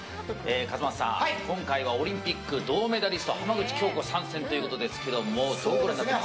勝俣さん、今回はオリンピック銅メダリストの浜口京子参戦ということですがどうご覧になってますか？